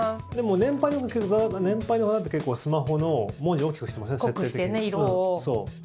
でも年配の方って結構、スマホの文字を濃くしてね、色を。